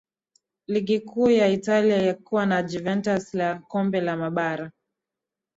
Ligi kuu ya Italia akiwa na Juventus na kombe la mabara